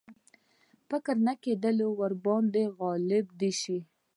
فکر نه کېدی ورباندي غالب دي شي.